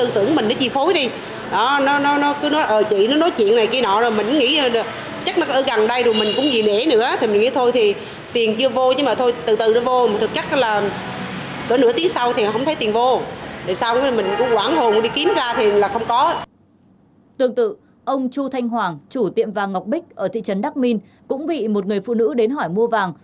tương tự ông chu thanh hoàng chủ tiệm vàng ngọc bích ở thị trấn đắk minh cũng bị một người phụ nữ đến hỏi mua vàng